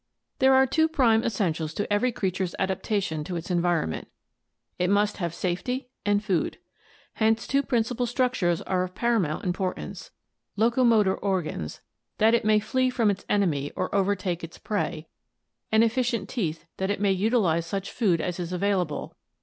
— There are two prime essentials to every creature's adaptation to its environment — it must have safety and food. Hence two principal structures are of paramount importance: locomotor organs, that it may flee from its enemy or overtake its prey, and efficient teeth that it may utilize such food as is avail ORIGIN OF MAMMALS AND ARCHAIC MAMMALS 549 able.